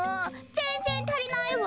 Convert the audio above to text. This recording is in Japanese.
ぜんぜんたりないわ。